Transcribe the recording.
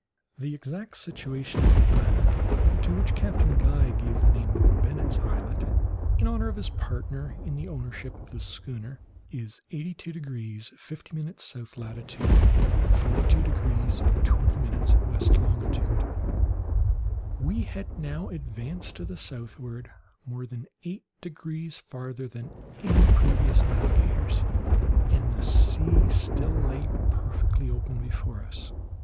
The exact situation of the islet (to which Captain Guy gave the name of Bennet's Islet, in honour of his partner in the ownership of the schooner) is 82 degrees 50' S. latitude, 42 degrees 20' W. longitude. We had now advanced to the southward more than eight degrees farther than any previous navigators, and the sea still lay perfectly open before us.